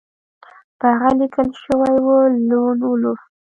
په هغه لیکل شوي وو لون وولف